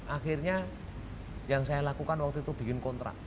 akhirnya yang saya lakukan waktu itu bikin kontrak